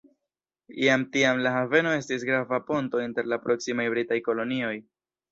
Jam tiam la haveno estis grava ponto inter la proksimaj britaj kolonioj.